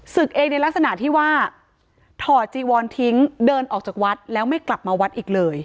เองในลักษณะที่ว่าถอดจีวอนทิ้งเดินออกจากวัดแล้วไม่กลับมาวัดอีกเลย